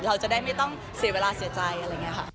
เราจะได้ไม่ต้องเสียเวลาเสียใจอะไรอย่างนี้ค่ะ